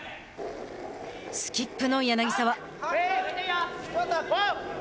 スキップの柳澤。